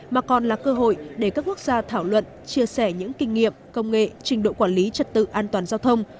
mà còn là cơ hội để các quốc gia thảo luận chia sẻ những kinh nghiệm công nghệ trình độ quản lý trật tự an toàn giao thông